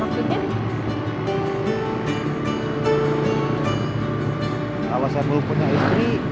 kalau saya belum punya istri